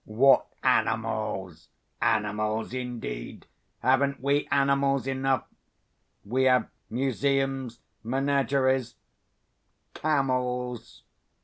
What animals? Animals, indeed! Haven't we animals enough? We have museums, menageries, camels.